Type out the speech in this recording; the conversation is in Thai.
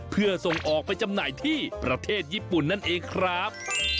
เพื่อส่งออกไปจำหน่ายที่ประเทศญี่ปุ่นนั่นเองครับ